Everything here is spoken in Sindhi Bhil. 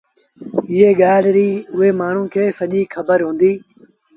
ايئي ڳآل ريٚ اُئي مآڻهوٚٚݩ کي سڄيٚ کبر هُݩديٚ